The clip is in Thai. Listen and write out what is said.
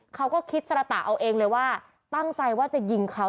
เขาก็คิดสระตะเอาเองเลยว่าตั้งใจว่าจะยิงเขา